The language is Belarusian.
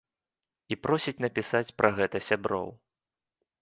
І просіць напісаць пра гэта сяброў.